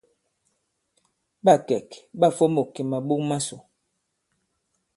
Ɓâ kɛ̀k ɓâ fomôk kì màɓok masò.